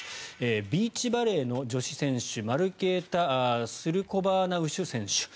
ビーチバレーの女子選手マルケータ・スルコバー・ナウシュ選手。